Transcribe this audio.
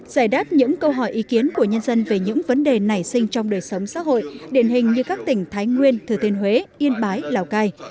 giải đáp những câu hỏi ý kiến của nhân dân về những vấn đề nảy sinh trong đời sống xã hội điển hình như các tỉnh thái nguyên thừa thiên huế yên bái lào cai